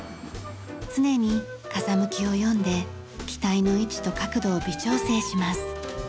常に風向きを読んで機体の位置と角度を微調整します。